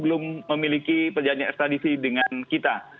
belum memiliki perjanjian ekstradisi dengan kita